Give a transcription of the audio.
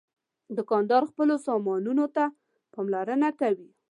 دوکاندار خپلو سامانونو ته پاملرنه کوي.